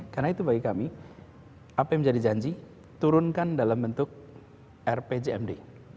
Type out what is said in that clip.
karena itu bagi kami apa yang menjadi janji turunkan dalam bentuk rpjmd